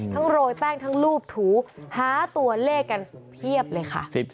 โรยแป้งทั้งรูปถูหาตัวเลขกันเพียบเลยค่ะ